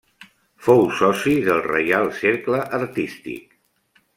Fou soci del Reial Cercle Artístic.